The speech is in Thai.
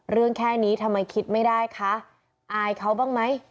แค่นี้ทำไมคิดไม่ได้คะอายเขาบ้างไหม